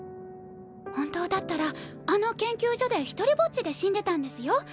本当だったらあの研究所で独りぼっちで死んでたんですよ。